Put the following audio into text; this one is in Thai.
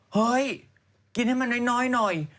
เฮ้ยกินให้มันน้อย